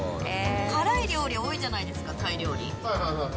辛い料理多いじゃないですか、タイ料理。